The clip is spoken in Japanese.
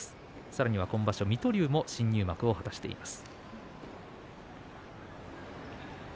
さらに今場所、水戸龍も新入幕を果たしています。